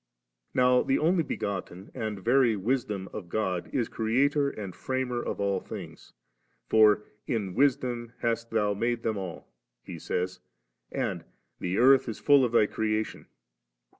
Now the Only begotten and very Wis dom" of God is Creator and Framer of all things; for *in Wisdom hast Thou made them all',' he says, and * the earth is full of Thy creation.'